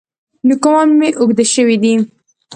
نوکان مي اوږده شوي دي .